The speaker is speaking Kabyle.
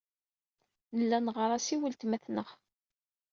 Nella neɣɣar-as i weltma-tneɣ.